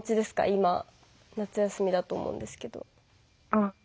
今、夏休みだと思うんですけど。